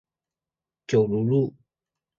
九如路